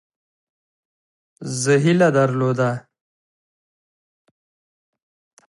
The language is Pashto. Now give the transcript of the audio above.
زه هیله درلوده.